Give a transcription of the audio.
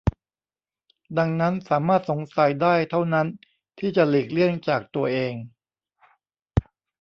ดังนั้นสามารถสงสัยได้เท่านั้นที่จะหลีกเลี่ยงจากตัวเอง